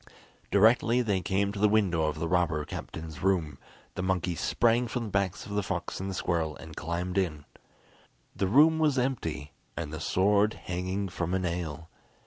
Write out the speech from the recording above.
Directly they came to the window of the robber captain's room, the monkey sprang from the backs of the fox and the squirrel, and climbed in. The room was empty, and the sword hanging from a nail.